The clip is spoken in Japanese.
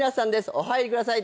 お入りください